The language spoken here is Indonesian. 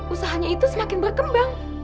usahanya itu semakin berkembang